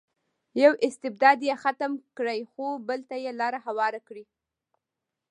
یو استبداد یې ختم کړی خو بل ته یې لار هواره کړې.